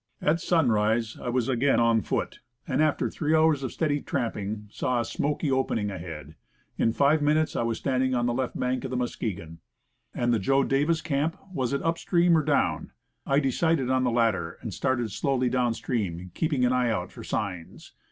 At sunrise I was again on foot, and after three hours of steady tramping, saw a smoky opening ahead. In five minutes I was stand ing on the left bank of the Muskegon. And the Joe Davis camp was it up stream or down? I decided on the latter, and started slowly down stream, keeping an eye out for signs.